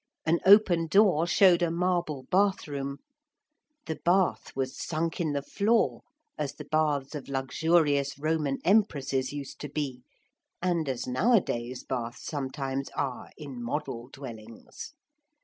An open door showed a marble bath room. The bath was sunk in the floor as the baths of luxurious Roman Empresses used to be, and as nowadays baths sometimes are, in model dwellings.